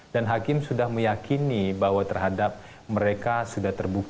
dan hakim sudah meyakini bahwa terhadap mereka mereka harus berubah